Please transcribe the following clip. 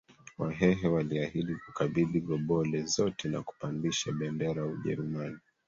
Wahehe waliahidi kukabidhi gobole zote na kupandisha bendera ya Ujerumani